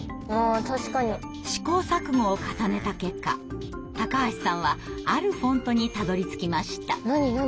試行錯誤を重ねた結果橋さんはあるフォントにたどりつきました。